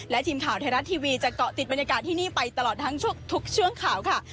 และทีมข่าวไทยรัฐทีวีจะเกาะติดบรรยากาศที่นี่ไปตลอดทั้งทุกช่วงข่าวค่ะ